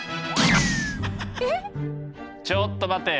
ちょっと待って！